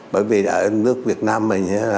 bởi vì ở nước việt nam